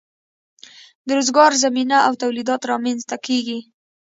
د روزګار زمینه او تولیدات رامینځ ته کیږي.